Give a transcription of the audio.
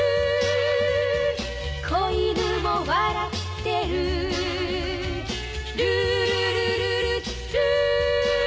「小犬も笑ってる」「ルールルルルルー」